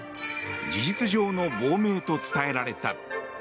事実上の亡命と伝えられた。